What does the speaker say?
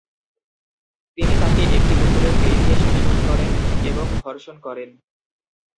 তিনি তাকে একটি কুকুরের চেইন দিয়ে শ্বাসরোধ করেন এবং ধর্ষণ করেন।